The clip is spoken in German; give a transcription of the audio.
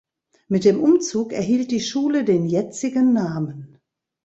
Mit dem Umzug erhielt die Schule den jetzigen Namen.